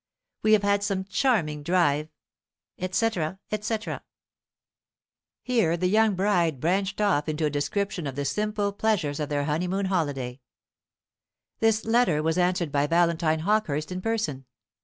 "We have had some charming drive," &c. &c. Here the young wife branched off into a description of the simple pleasures of their honeymoon holiday. This letter was answered by Valentine Hawkehurst in person.